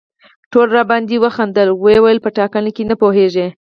ټولو راباندې وخندل او ویې ویل په ټاکنه نه پوهېږي.